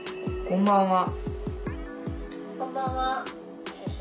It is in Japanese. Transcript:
こんばんは。